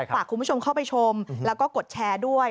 ฝากคุณผู้ชมเข้าไปชมแล้วก็กดแชร์ด้วย